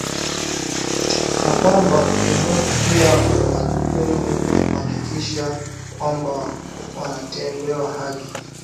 na kwamba ulimwengu pia unajukumu ya kuhakikitisha kwamba wanatendewa haki